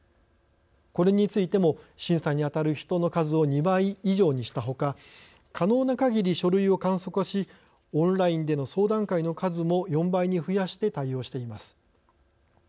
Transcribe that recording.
これについても審査にあたる人の数を２倍以上にしたほか可能なかぎり書類を簡素化しオンラインでの相談会の数も４倍に増やして対応しています。